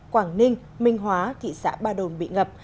quảng ninh minh hóa thị xã ba đồn bị ngập